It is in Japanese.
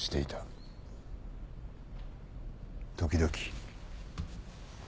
時々。